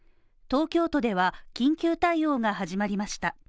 東京都では緊急対応が始まりました。